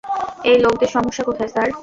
এই লোকেদের সমস্যা কোথায়, স্যার?